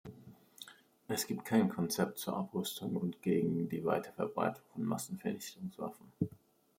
Es gibt kein Konzept zur Abrüstung und gegen die Weiterverbreitung von Massenvernichtungswaffen.